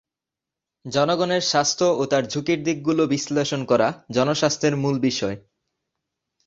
জনগণের স্বাস্থ্য ও তার ঝুঁকির দিকগুলি বিশ্লেষণ করা জনস্বাস্থ্যের মূল বিষয়।